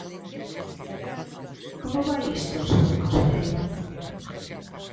¿Como vai isto, señor conselleiro?